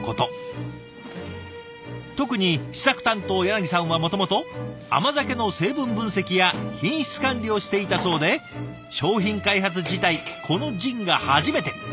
特に試作担当さんはもともと甘酒の成分分析や品質管理をしていたそうで商品開発自体このジンが初めて。